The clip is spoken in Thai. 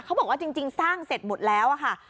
เขาบอกว่าจริงสร้างเสร็จหมดแล้วค่ะ